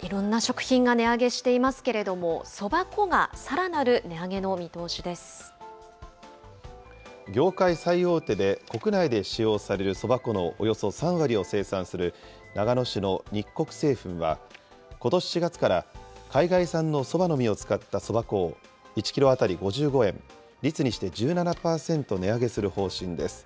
いろんな食品が値上げしていますけれども、そば粉が、さらな業界最大手で国内で使用されるそば粉のおよそ３割を生産する、長野市の日穀製粉は、ことし４月から海外産のそばの実を使ったそば粉を１キロ当たり５５円、率にして１７％値上げする方針です。